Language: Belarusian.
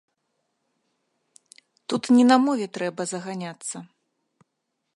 Тут не на мове трэба заганяцца.